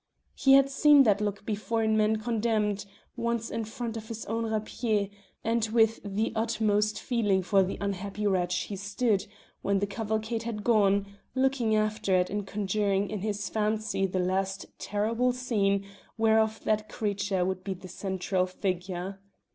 He had seen that look before in men condemned once in front of his own rapier, and with the utmost feeling for the unhappy wretch he stood, when the cavalcade had gone, looking after it and conjuring in his fancy the last terrible scene whereof that creature would be the central figure.